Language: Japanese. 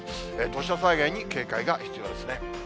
土砂災害に警戒が必要ですね。